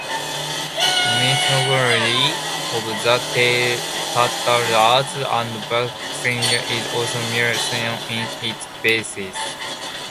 Mythology of the Tatars and Bashkirs is also Muslim in its basis.